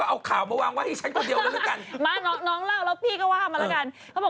อ้าวคุยเดี๋ยวเล่าเลย